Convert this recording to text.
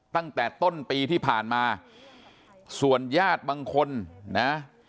ตั้งแต่ต้นปีที่ผ่านมาส่วนญาติบางคนนะ